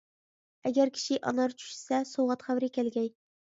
ئەگەر كىشى ئانار چۈشىسە، سوۋغات خەۋىرى كەلگەي.